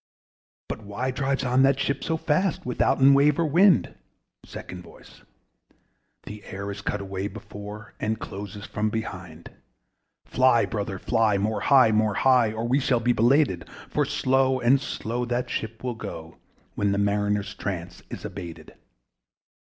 But why drives on that ship so fast, Without or wave or wind? SECOND VOICE. The air is cut away before, And closes from behind. Fly, brother, fly! more high, more high Or we shall be belated: For slow and slow that ship will go, When the Mariner's trance is abated.